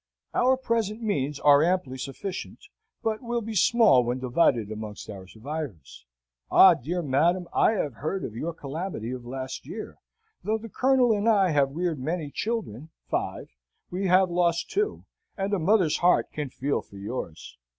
Our present means are amply sufficient, but will be small when divided amongst our survivors. Ah, dear madam! I have heard of your calamity of last year. Though the Colonel and I have reared many children (five), we have lost two, and a mother's heart can feel for yours!